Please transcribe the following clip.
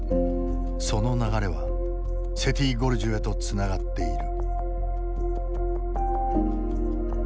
その流れはセティ・ゴルジュへとつながっている。